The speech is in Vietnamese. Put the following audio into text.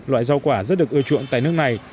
loại rau quả rất được ưa chuộng tại nước này